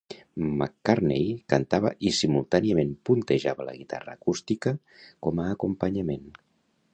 McCartney cantava i simultàniament puntejava la guitarra acústica com a acompanyament.